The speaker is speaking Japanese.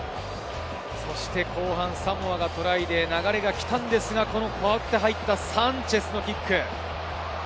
そして後半、サモアがトライで流れが来たんですが、代わって入った、サンチェスのキック。